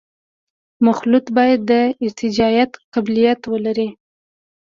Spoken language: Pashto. مخلوط باید د ارتجاعیت قابلیت ولري